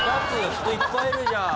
人いっぱいいるじゃん。